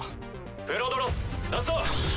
プロドロス出すぞ。